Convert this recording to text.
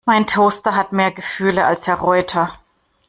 Mein Toaster hat mehr Gefühle als Herr Reuter!